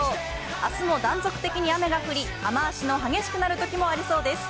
あすも断続的に雨が降り、雨足の激しくなるときもありそうです。